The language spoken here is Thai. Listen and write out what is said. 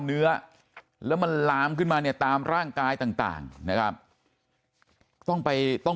เนื้อแล้วมันลามขึ้นมาเนี่ยตามร่างกายต่างนะครับต้องไปต้อง